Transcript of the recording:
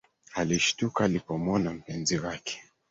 Alishtuka alipomwona mpenzi wake